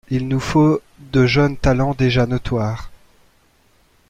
Il nous faut de jeunes talents déjà notoires.